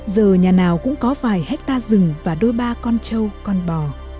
giờ nhà nào cũng có vài hectare rừng và đôi ba con trâu con bò